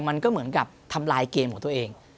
มันก็เหมือนกับทำลายเกมของตัวเอง